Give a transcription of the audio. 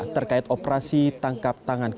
terkait operasi tangkap tangan kpk